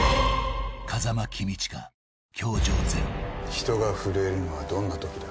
「人が震えるのはどんなときだ？」